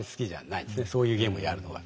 そういうゲームやるのは。